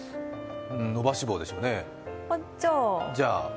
伸ばし棒でしょうね。